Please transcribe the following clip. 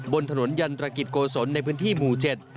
บนถนนยันตรกิจโกศลในพื้นที่หมู่๗